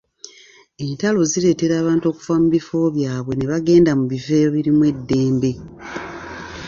Entalo zireetera abantu okuva mu bifo byabwe ne bagenda mu bifo ebirimu eddembe.